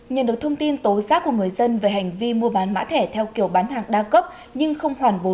nhận được thông tin tố xác của người dân về hành vi mua bán mã thẻ theo kiểu bán hàng đa cấp